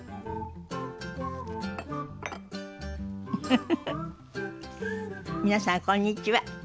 フフフフ皆さんこんにちは。